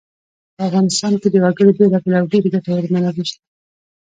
په افغانستان کې د وګړي بېلابېلې او ډېرې ګټورې منابع شته.